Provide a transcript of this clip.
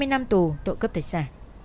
hai mươi năm tù tội cấp thật xả